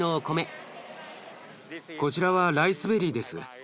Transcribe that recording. こちらはライスベリーです。